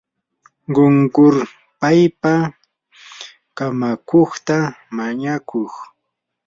qunqurpaypa kamakuqta mañakuy.